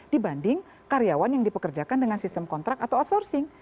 dibanding karyawan yang dipekerjakan dengan sistem kontrak atau outsourcing